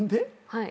はい。